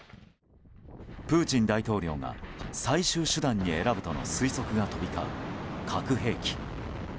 プーチン大統領が最終手段に選ぶとの憶測が飛び交う核兵器。